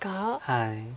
はい。